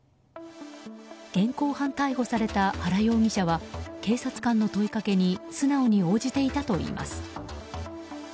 現行犯逮捕された原容疑者は警察官の問いかけに素直に応じていたといいます。